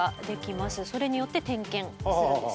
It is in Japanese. それによって点検するんですね。